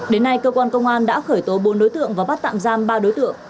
đến nay cơ quan công an đã khởi tố bốn đối tượng và bắt tạm giam ba đối tượng